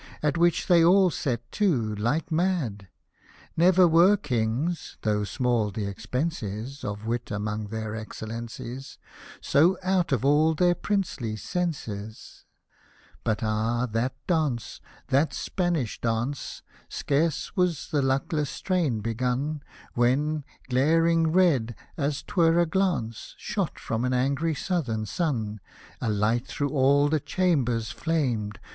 At which they all set to, like mad ! Never were Kings (though small th' expense is Of wit among their Excellencies) So out of all their princely senses. Hosted by Google 192 SATIRICAL AND HUMOROUS POEMS But, ah, that dance — that Spanish dance — Scarce was the luckless strain begun. When, glaring red, as 'twere a glance Shot from an angry Southern sun, A light through all the chambers flamed.